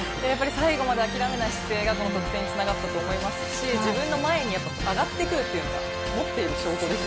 最後まで諦めない姿勢が得点につながったと思いますし自分の前に上がってくるというのは持っている証拠です。